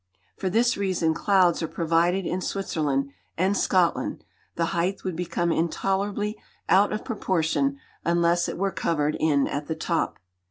For this reason clouds are provided in Switzerland and Scotland; the height would become intolerably out of proportion unless it were covered in at the top.